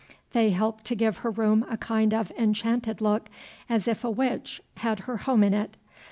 They helped to give her room a kind of enchanted look, as if a witch had her home in it.